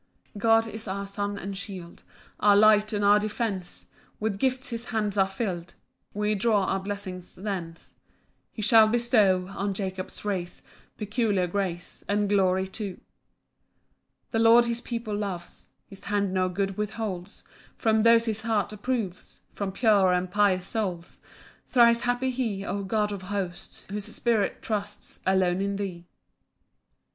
6 God is our sun and shield, Our light and our defence With gifts his hands are fill'd, We draw our blessings thence; He shall bestow On Jacob's race Peculiar grace And glory too. 7 The Lord his people loves; His hand no good withholds From those his heart approves, From pure and pious souls: Thrice happy he, O God of hosts, Whose spirit trusts Alone in thee.